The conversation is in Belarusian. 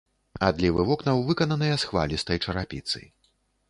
Адлівы вокнаў выкананыя з хвалістай чарапіцы.